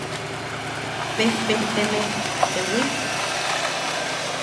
Pejpejteme ¿Jewi?